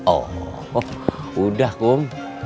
oh udah kum